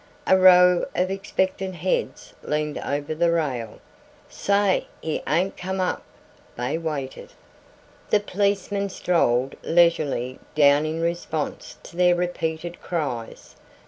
A row of expectant heads leaned over the rail. "Say he ain't come up." They waited. The policeman strolled leisurely down in response to their repeated cries.